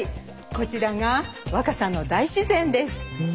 こちらが若桜の大自然です。